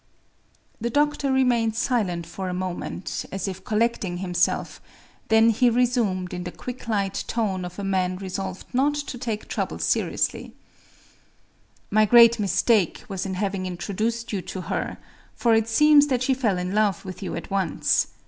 The doctor remained silent for a moment, as if collecting himself: then he resumed, in the quick light tone of a man resolved not to take trouble seriously:— "My great mistake was in having introduced you to her; for it seems that she fell in love with you at once.